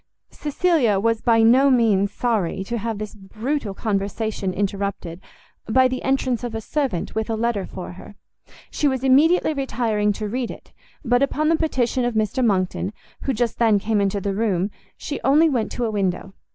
Cecilia was by no means sorry to have this brutal conversation interrupted by the entrance of a servant with a letter for her. She was immediately retiring to read it; but upon the petition of Mr Monckton, who just then came into the room, she only went to a window.